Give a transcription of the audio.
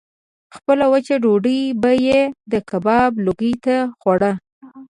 خپله وچه ډوډۍ به یې د کباب لوګي ته خوړه.